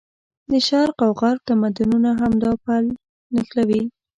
د شرق او غرب تمدونونه همدا پل نښلوي.